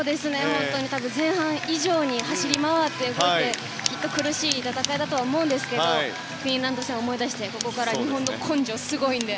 前半以上に走り回って動いて苦しい戦いだとは思うんですがフィンランド戦を思い出して、ここから日本の根性はすごいので。